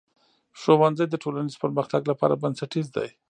ښوونځی د ټولنیز پرمختګ لپاره بنسټیز دی.